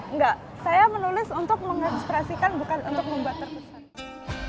enggak saya menulis untuk menginspirasikan bukan untuk membuat terkesan